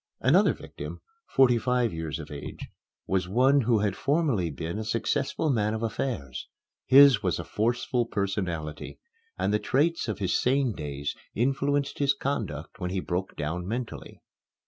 Another victim, forty five years of age, was one who had formerly been a successful man of affairs. His was a forceful personality, and the traits of his sane days influenced his conduct when he broke down mentally.